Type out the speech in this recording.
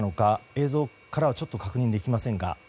映像からは、ちょっと確認できませんが。